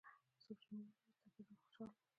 څوک چې مینه لري، تل په ژوند خوشحال وي.